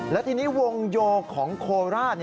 และทีนี้วงโยของโคราช